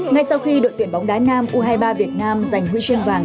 ngay sau khi đội tuyển bóng đá nam u hai mươi ba việt nam giành huy chương vàng